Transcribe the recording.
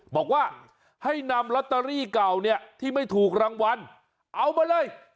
บอกว่าให้นำลอตเตอรี่เก่าเนี่ยที่ไม่ถูกรางวัลเอามาเลย